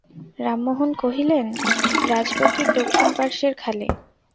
রামমোহন কহিলেন, রাজবাটীর দক্ষিণ পার্শ্বের খালে।